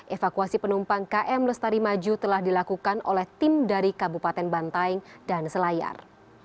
evakuasi penumpang km lestari maju telah dilakukan oleh tim dari kabupaten bantaing dan selayar